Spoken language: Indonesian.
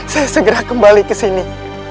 saya segera kembali ke sini